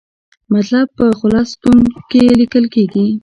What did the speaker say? مطلب په خلص ستون کې لیکل کیږي.